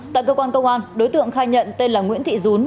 tại cơ quan công an đối tượng khai nhận tên là nguyễn thị dún